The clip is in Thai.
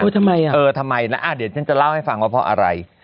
ทำไมอ่ะเออทำไมนะเดี๋ยวฉันจะเล่าให้ฟังว่าเพราะอะไร